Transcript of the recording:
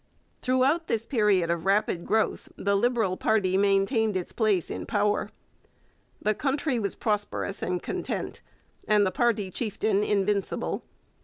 Throughout this period of rapid growth the Liberal party maintained its place in power. The country was prosperous and content and the party chieftain invincible.